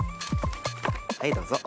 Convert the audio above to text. はいどうぞ。